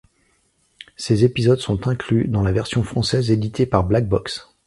Ces épisodes sont inclus dans la version française éditée par Black Box.